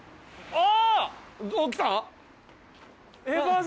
ああ！